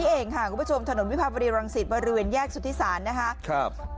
นี่เองค่ะคุณผู้ชมถนนวิภาบรีรังสิตบริเวณแยกสุธิศาลนะครับ